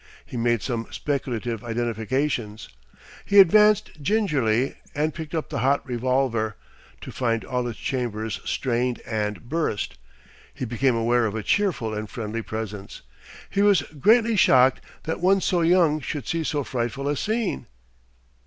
He made some speculative identifications. He advanced gingerly and picked up the hot revolver, to find all its chambers strained and burst. He became aware of a cheerful and friendly presence. He was greatly shocked that one so young should see so frightful a scene.